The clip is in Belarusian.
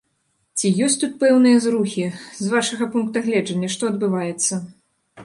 Ці ёсць тут пэўныя зрухі, з вашага пункта гледжання, што адбываецца?